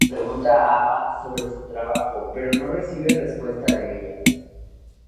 Alison le pregunta a Ava sobre su trabajo pero no recibe respuesta de ella.